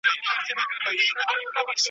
رود به هم له سمندر سره ګډیږي `